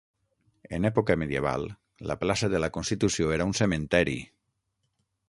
En època medieval, la plaça de la Constitució era un cementeri.